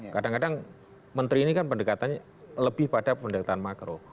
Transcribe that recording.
kadang kadang menteri ini kan pendekatannya lebih pada pendekatan makro